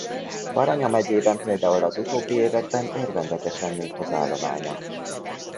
Baranya megyében például az utóbbi években örvendetesen nőtt az állománya.